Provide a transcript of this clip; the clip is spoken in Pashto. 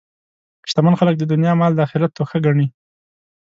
شتمن خلک د دنیا مال د آخرت توښه ګڼي.